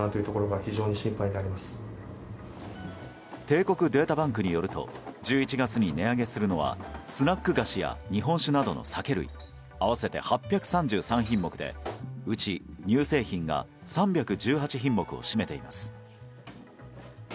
帝国データバンクによると１１月に値上げするのはスナック菓子や日本酒などの酒類合わせて８３３品目でうち乳製品が３１８品目を占めています。